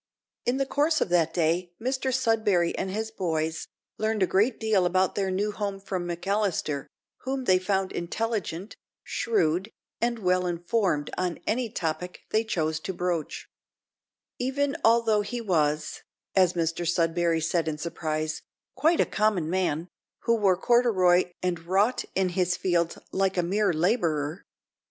In the course of that day Mr Sudberry and his boys learned a great deal about their new home from McAllister, whom they found intelligent, shrewd, and well informed on any topic they chose to broach; even although he was, as Mr Sudberry said in surprise, "quite a common man, who wore corduroy and wrought in his fields like a mere labourer."